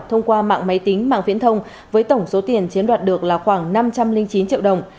thông qua mạng máy tính mạng viễn thông với tổng số tiền chiếm đoạt được là khoảng năm trăm linh chín triệu đồng